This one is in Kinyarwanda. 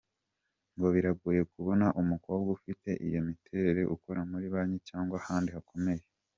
Ngo biragoye kubona umukobwa ufite iyo miterere ukora muri Banki cyangwa ahandi hakomeye….